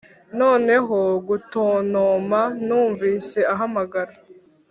noneho gutontoma numvise ahamagara;